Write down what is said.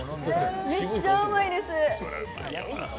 めっちゃ甘いです。